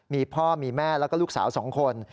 มีพ่อมีแม่แล้วก็ลูกสาว๒คน